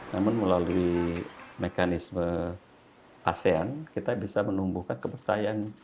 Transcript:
namun melalui mekanisme asean kita bisa menumbuhkan kepercayaan